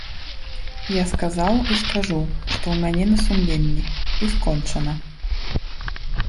Я сказаў і скажу, што ў мяне на сумленні, і скончана.